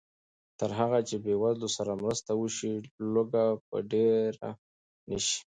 تر هغه چې بېوزلو سره مرسته وشي، لوږه به ډېره نه شي.